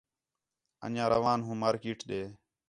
اَنڄیاں روان ہوں مارکیٹ ݙے